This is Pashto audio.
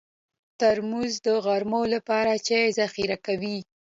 ترموز د غرمو لپاره چای ذخیره کوي.